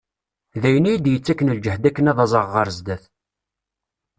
D ayen i yi-d-yettaken lǧehd akken ad aẓeɣ ɣer zzat.